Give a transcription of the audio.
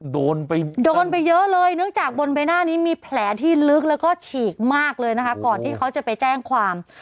โดนไปโดนไปเยอะเลยเนื่องจากบนใบหน้านี้มีแผลที่ลึกแล้วก็ฉีกมากเลยนะคะก่อนที่เขาจะไปแจ้งความ